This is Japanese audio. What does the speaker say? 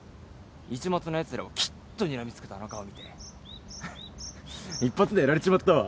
市松のやつらをキッとにらみつけたあの顔見て一発でやられちまったわ。